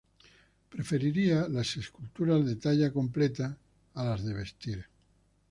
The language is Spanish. Prefería las esculturas de talla completa a las de vestir.